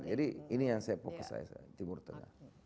jadi ini yang saya fokus